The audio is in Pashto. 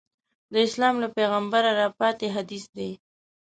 د اسلام له پیغمبره راپاتې حدیث دی.